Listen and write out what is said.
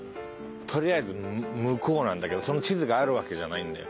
とりあえず向こうなんだけどその地図があるわけじゃないんだよ。